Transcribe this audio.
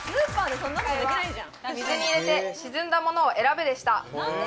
正解は、水に入れて沈んだものを選ぶでした。